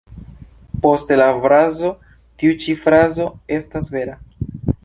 Poste la frazo ""Tiu ĉi frazo estas vera.